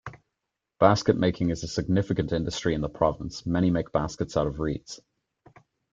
Basket-making is a significant industry in the province; many make baskets out of reeds.